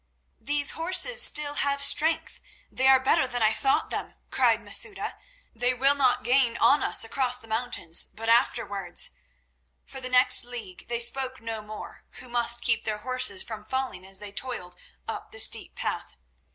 "These horses still have strength; they are better than I thought them," cried Masouda. "They will not gain on us across the mountains, but afterwards—" For the next league they spoke no more, who must keep their horses from falling as they toiled up the steep path.